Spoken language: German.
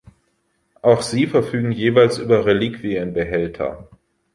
Auch sie verfügen jeweils über Reliquienbehälter.